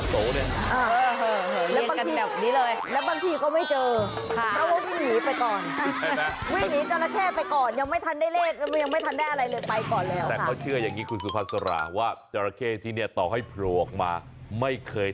แล้วบางทีก็ไม่เจอพี่หนีไปก่อน